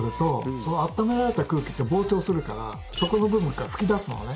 そのあっためられた空気って膨張するからそこの部分から噴き出すのね。